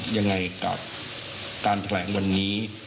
ยังไงกับการแถลงวันนี้